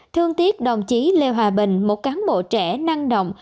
thương tiếc đồng chí lê hòa bình một cán bộ trẻ năng động